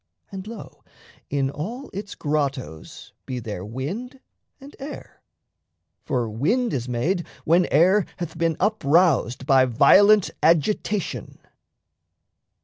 And, lo, In all its grottos be there wind and air For wind is made when air hath been uproused By violent agitation.